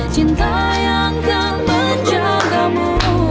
cinta yang kan menjagamu